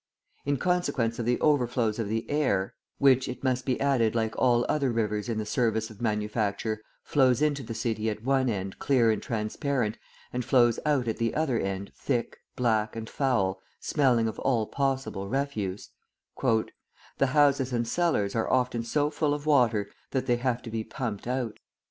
In consequence of the overflows of the Aire" (which, it must be added, like all other rivers in the service of manufacture, flows into the city at one end clear and transparent, and flows out at the other end thick, black, and foul, smelling of all possible refuse), "the houses and cellars are often so full of water that they have to be pumped out.